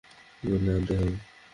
তুলে আনতেই হবে।